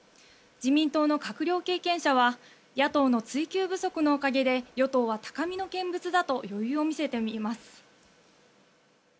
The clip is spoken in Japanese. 自民党の閣僚経験者は野党の追及不足のおかげで与党は高みの見物だと余裕を見せています。